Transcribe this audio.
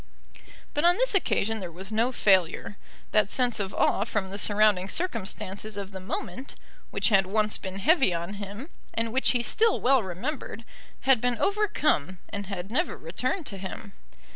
But on this occasion there was no failure. That sense of awe from the surrounding circumstances of the moment, which had once been heavy on him, and which he still well remembered, had been overcome, and had never returned to him.